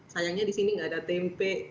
sayangnya di sini nggak ada tempe